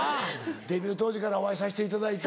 デビュー当時からお会いさせていただいて。